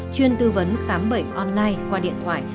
chuyên tư vấn khám bệnh online qua điện thoại